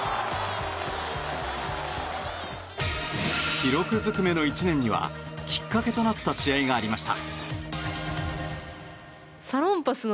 記録ずくめの１年にはきっかけとなった試合がありました。